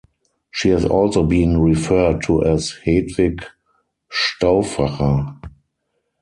She has also been referred to as Hedwig Stauffacher.